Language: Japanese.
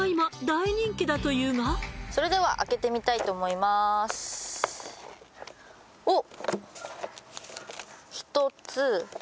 これが今それでは開けてみたいと思いますおっ！